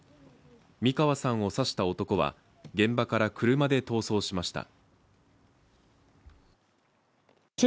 三川さんを刺した男は現場から車で逃走しました。